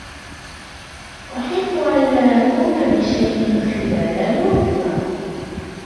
أُحِبُّ أَﻻّ أَقومَ بِشَيْءٍ خِﻻلَ العُطْلةِ